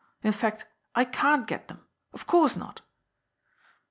In fact, I can't get them. Of course not."